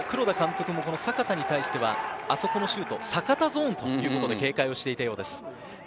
黒田監督も阪田に対してはあそこのシュート、阪田ゾーンということで警戒をしていたようです。